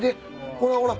ほらほら。